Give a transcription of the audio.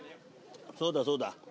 そうだそうだ。